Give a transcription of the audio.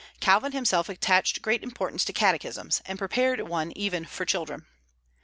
Calvin himself attached great importance to catechisms, and prepared one even for children.